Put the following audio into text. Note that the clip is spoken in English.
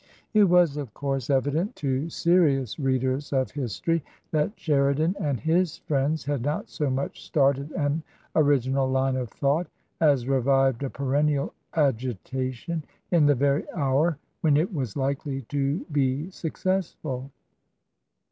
It was, of course, evid^t to serious readers of history that Sheridan and his friends had not so much started an original line of thought as revived a perennial agitation in the very hour when it was likely to be successful.